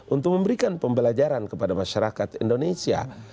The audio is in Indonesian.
untuk memberikan pembelajaran kepada masyarakat indonesia